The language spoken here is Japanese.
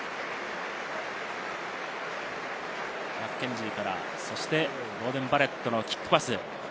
マッケンジーからボーデン・バレットのキックパス。